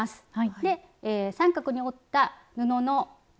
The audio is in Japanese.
で三角に折った布のわ。